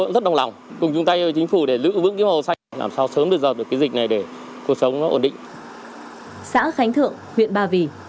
xã khánh thượng huyện ba vì